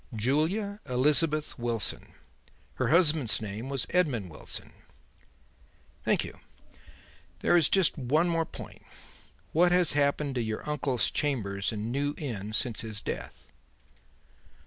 "Julia Elizabeth Wilson. Her husband's name was Edmund Wilson." "Thank you. There is just one more point. What has happened to your uncle's chambers in New Inn since his death?"